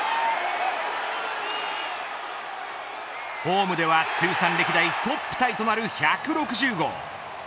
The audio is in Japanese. ホームでは通算歴代トップタイとなる１６０号。